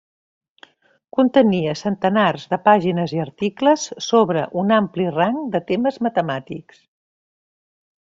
Contenia centenars de pàgines i articles sobre un ampli rang de temes matemàtics.